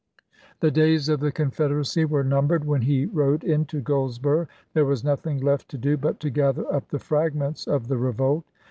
The days of the Confederacy were numbered when he rode into Goldsboro' ; there was nothing left to do but to gather up the fragments of the revolt.